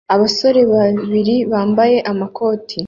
Abasore babiri bambaye amakoti